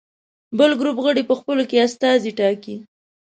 بل ګروپ غړي په خپلو کې استازي ټاکي.